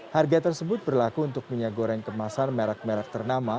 harga tersebut berlaku untuk minyak goreng kemasan merek merek ternama